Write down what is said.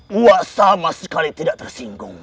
puasa sama sekali tidak tersinggung